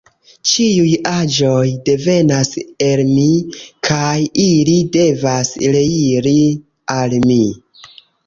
Ĉiuj aĵoj devenas el Mi, kaj ili devas reiri al Mi.